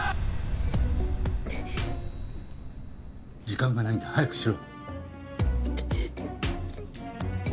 ・時間がないんだ早くしろ。